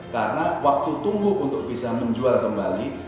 karena waktu tunggu untuk bisa menjual kembali